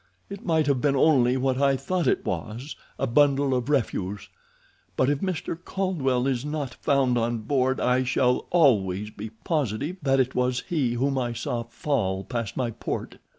It might have been only what I thought it was—a bundle of refuse. But if Mr. Caldwell is not found on board I shall always be positive that it was he whom I saw fall past my port."